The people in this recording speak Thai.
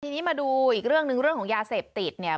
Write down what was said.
ทีนี้มาดูอีกเรื่องหนึ่งเรื่องของยาเสพติดเนี่ย